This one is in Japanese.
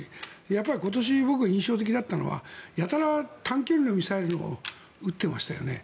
やっぱり今年僕が印象的だったのはやたら短距離のミサイルを撃ってましたよね。